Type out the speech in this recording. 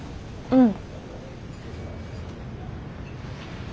うん。